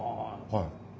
はい。